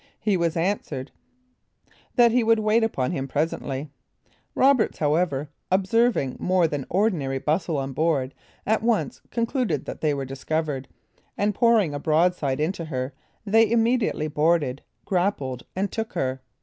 He was answered, "That he would wait upon him presently." Roberts, however, observing more than ordinary bustle on board, at once concluded they were discovered, and pouring a broadside into her, they immediately boarded, grappled, and took her.